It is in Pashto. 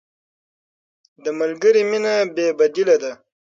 د ملګري مینه بې بدیله ده.